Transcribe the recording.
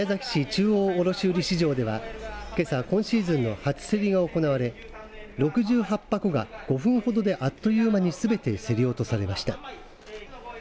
中央卸売市場ではけさ今シーズンの初競りが行われ６８箱が５分ほどで、あっという間にすべて競り落とされました。